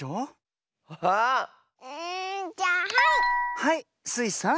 はいスイさん。